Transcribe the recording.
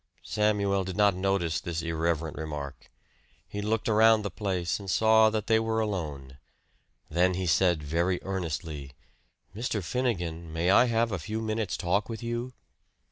Samuel did not notice this irreverent remark. He looked around the place and saw that they were alone. Then he said, very earnestly, "Mr. Finnegan, may I have a few minutes' talk with you?"